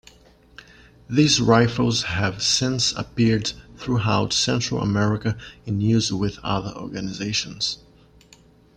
These rifles have since appeared throughout Central America in use with other organizations.